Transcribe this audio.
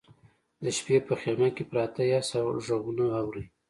د شپې په خیمه کې پراته یاست او غږونه اورئ